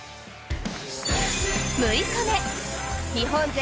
６日目、日本勢